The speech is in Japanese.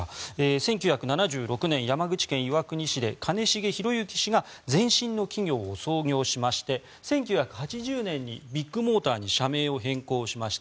１９７６年、山口県岩国市で兼重宏行氏が前身の企業を創業しまして１９８０年にビッグモーターに社名を変更しました。